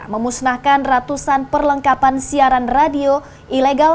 memusnahkan ratusan perlengkapan siaran radio ilegal